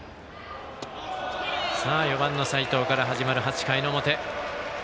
４番の齋藤から始まる８回の表。